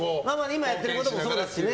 今やってることもそうですしね。